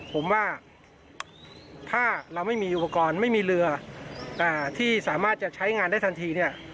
ผมว่าถ้าเราไม่มีอุปกรณ์ไม่มีเรือที่สามารถจะใช้งานได้ทันทีเนี่ย